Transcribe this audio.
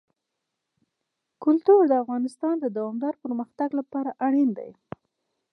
کلتور د افغانستان د دوامداره پرمختګ لپاره اړین دي.